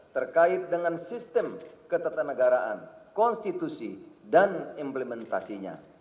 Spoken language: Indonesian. terkait dengan sistem ketetanegaraan konstitusi dan implementasinya